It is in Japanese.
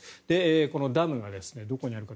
このダムがどこにあるか。